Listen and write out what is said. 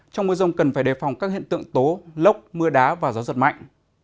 trong mưa rông cần phải đề phòng các hiện tượng tố lốc mưa đá và gió giật mạnh